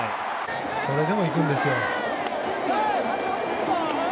それでも行くんですよ。